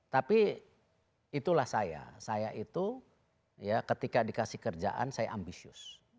tapi itulah saya saya itu ya ketika dikasih kerjaan saya ambisius